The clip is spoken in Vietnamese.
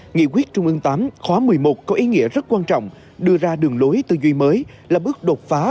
nghị quyết trung ương tám khóa một mươi một có ý nghĩa rất quan trọng đưa ra đường lối tư duy mới là bước đột phá